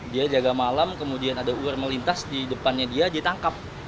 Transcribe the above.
dia jaga malam kemudian ada ular melintas di depannya dia ditangkap